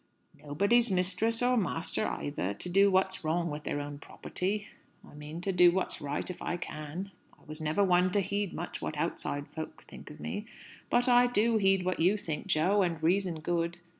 "Nobody's mistress, or master either, to do what's wrong with their own property. I mean to do what's right if I can. I was never one to heed much what outside folks think of me; but I do heed what you think, Jo, and reason good.